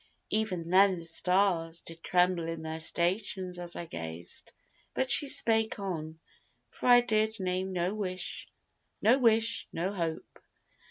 Even then the stars Did tremble in their stations as I gazed; But she spake on, for I did name no wish, No wish no hope.